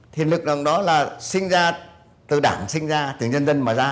thì lực lượng đó là sinh ra từ đảng sinh ra từ nhân dân mà ra